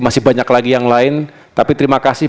masih banyak lagi yang lain tapi terima kasih